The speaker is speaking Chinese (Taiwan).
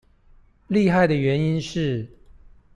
厲害的原因是